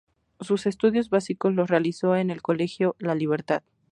Sus estudios básicos los realizó en el colegio La Libertad.